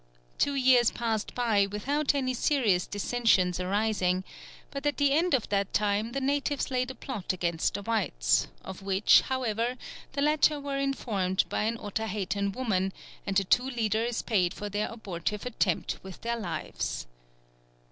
Two years passed by without any serious dissensions arising, but at the end of that time the natives laid a plot against the whites, of which, however, the latter were informed by an Otaheitan woman, and the two leaders paid for their abortive attempt with their lives.